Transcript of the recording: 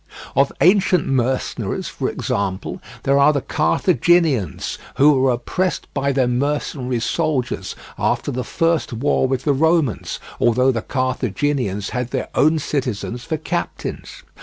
Of ancient mercenaries, for example, there are the Carthaginians, who were oppressed by their mercenary soldiers after the first war with the Romans, although the Carthaginians had their own citizens for captains.